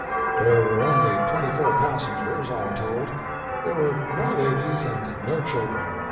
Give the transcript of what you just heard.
There were only twenty four passengers, all told. There were no ladies and no children.